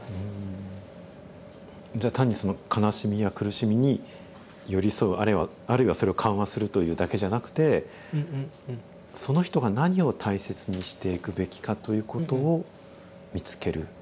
じゃあ単にその悲しみや苦しみに寄り添うあるいはそれを緩和するというだけじゃなくてその人が何を大切にしていくべきかということを見つける。